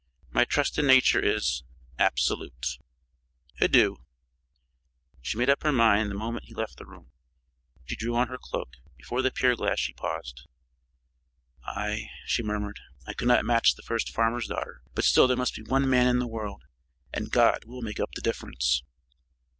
My trust in nature is absolute. Adieu!" She made up her mind the moment he left the room. She drew on her cloak. Before the pier glass she paused. "Aye," she murmured, "I could not match the first farmer's daughter. But still there must be one man in the world and God will make up the difference!"